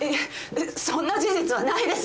そんな事実はないです！